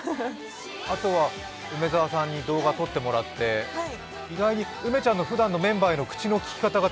あとは、梅澤さんに動画撮ってもらって意外に梅ちゃんのふだんのメンバーへの口のきき方が